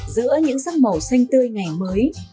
giữa những sắc màu xanh tươi ngày mới